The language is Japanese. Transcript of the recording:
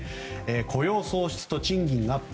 雇用創出と賃金アップ。